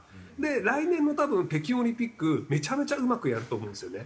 来年の多分北京オリンピックめちゃめちゃうまくやると思うんですよね。